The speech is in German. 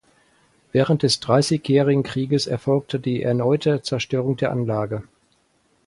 Während des Dreißigjährigen Krieges erfolgte die erneute Zerstörung der Anlage.